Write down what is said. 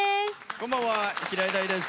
こんばんは、平井大です。